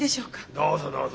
どうぞどうぞ。